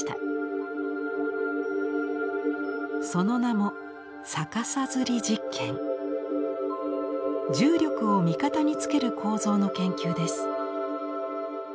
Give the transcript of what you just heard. その名も重力を味方につける構造の研究です。